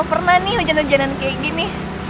pernah nih hujan hujanan kayak gini